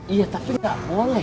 iya tapi gak boleh